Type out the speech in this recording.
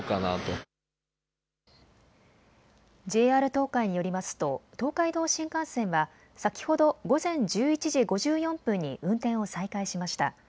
ＪＲ東海によりますと東海道新幹線は先ほど午前１１時５４分に運転を再開しました。